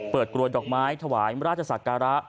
เปิดกลัวดอกไม้ถวายราชศักระ